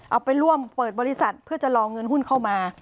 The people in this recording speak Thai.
เอาไปร่วมเปิดบริษัทเพื่อจะรอเงินหุ้นเข้ามา